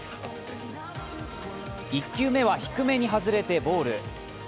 １球目は低めにはずれてボール。